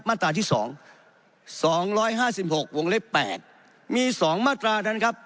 ๒๕๖วงเล็ก๘มี๒มาตรานั้นครับ